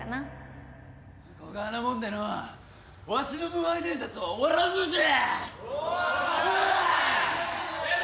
こがあなもんでのわしの無敗伝説は終わらんのじゃ！